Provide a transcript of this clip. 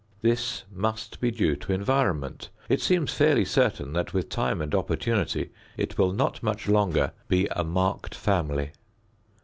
This must be due to environment. It seems fairly certain that with time and opportunity, it will not much longer be a marked family.